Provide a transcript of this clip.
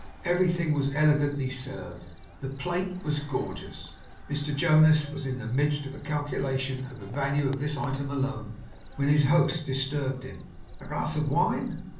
Everything was elegantly served. The plate was gorgeous. Mr Jonas was in the midst of a calculation of the value of this item alone, when his host disturbed him. 'A glass of wine?